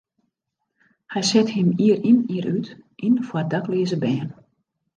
Hy set him jier yn jier út yn foar dakleaze bern.